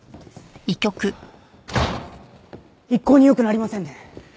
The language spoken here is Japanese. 一向に良くなりませんね。